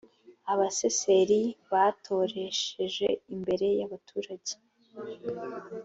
abaseseri batoresheje imbere y’abaturage